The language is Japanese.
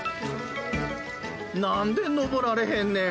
何で登られへんねん。